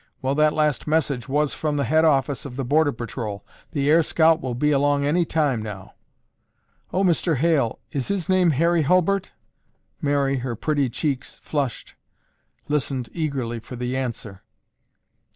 Well, that last message was from the head office of the border patrol. The air scout will be along any time now." "Oh, Mr. Hale, is his name Harry Hulbert?" Mary, her pretty cheeks flushed, listened eagerly for the answer.